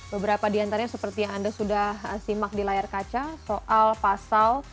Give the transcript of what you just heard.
beberapa di antaranya seperti yang anda sudah simak di layar kaca soal pasal